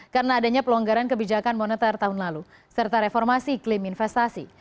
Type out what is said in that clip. karena adanya pelonggaran kebijakan monetar tahun lalu serta reformasi klaim investasi